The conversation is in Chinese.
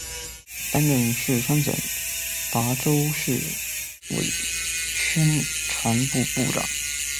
担任四川省达州市委宣传部部长。